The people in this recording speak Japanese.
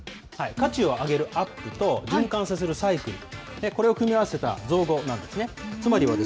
価値を上げるアップと、循環させるサイクル、これを組み合わせた造語なんですね。